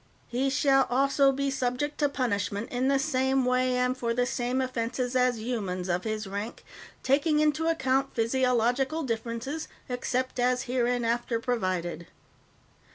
"He shall also be subject to punishment in the same way and for the same offenses as humans of his rank, taking into account physiological differences, except as hereinafter provided.